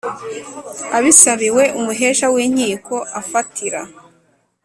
abisabiwe Umuhesha w inkiko afatira